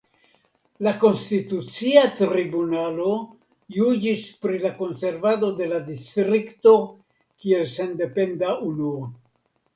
La Konstitucia Tribunalo juĝis pri la konservado de la distrikto kiel sendependa unuo.